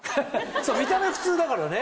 見た目普通だからね。